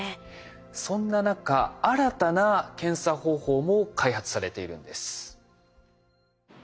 そんな中新たな検査方法も開発されているんです。